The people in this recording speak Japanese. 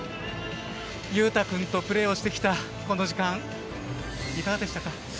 勇大君とプレーをしてきたこの時間、いかがでしたか。